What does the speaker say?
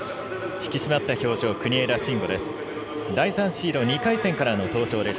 引き締まった表情国枝慎吾です。